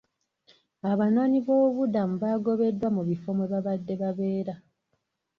Abanoonyiboobubudamu baagobeddwa mu bifo mwe babadde babeera.